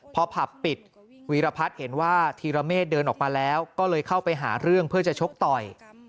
พอผับปิดวีรพัฒน์เห็นว่าธีรเมฆเดินออกมาแล้วก็เลยเข้าไปหาเรื่องเพื่อจะชกต่อย